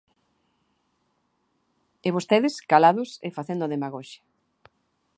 E vostedes, calados e facendo demagoxia.